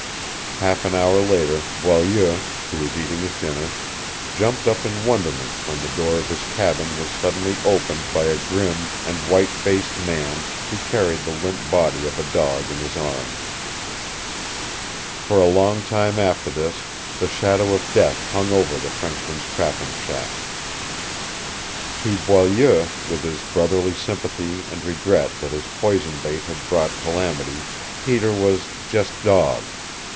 Half an hour later Boileau, who was eating his dinner, jumped up in wonderment when the door of his cabin was suddenly opened by a grim and white faced man who carried the limp body of a dog in his arms. For a long time after this the shadow of death hung over the Frenchman's trapping shack. To Boileau, with his brotherly sympathy and regret that his poison bait had brought calamity, Peter was "just dog."